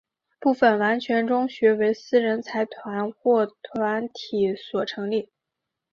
部分完全中学为私人财团或团体所成立。